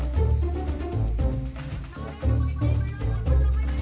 เพื่อนรับทราบ